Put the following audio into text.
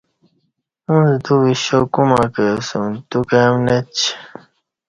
اوڅہ تو ویشا کول م کہ اسوم تیو کای مݨہ چی